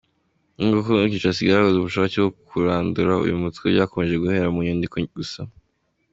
Nubwo Kongo Kinshasa igaragaza ubushake bwo kurandura uyu mutwe, byakomeje guhera mu nyandiko gusa.